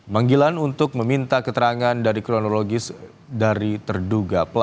manggilan untuk meminta keterangan dari kronologis dari terduga pelaku